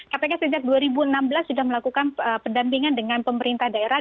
kpk sejak dua ribu enam belas sudah melakukan pendampingan dengan pemerintah daerah